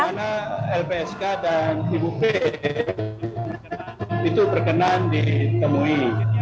karena lpsk dan ibu p itu berkenan ditemui